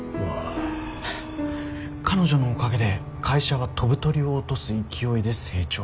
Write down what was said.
彼女のおかげで会社は飛ぶ鳥を落とす勢いで成長。